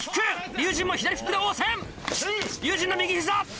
龍心の右膝！